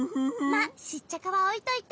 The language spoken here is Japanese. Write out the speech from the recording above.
まっシッチャカはおいといて。